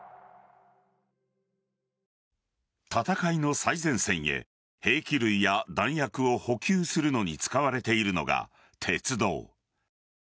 戦いの最前線へ兵器類や弾薬を補給するのに使われているのが鉄道。